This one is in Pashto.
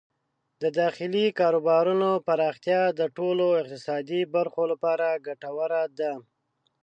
د داخلي کاروبارونو پراختیا د ټولو اقتصادي برخو لپاره ګټوره ده.